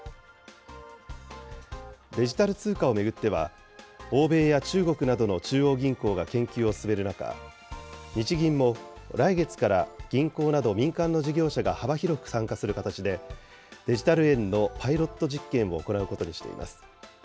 デジタル通貨を巡っては、欧米や中国などの中央銀行が研究を進める中、日銀も来月から銀行など民間の事業者が幅広く参加する形で、デジタル円のパイロット実験を行うことにしています。